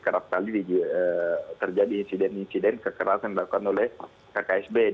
kerap kali terjadi insiden insiden kekerasan dilakukan oleh kksb